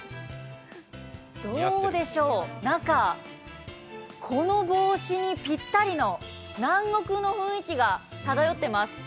どうでしょう、中、この帽子にぴったりの南国の雰囲気が漂っています。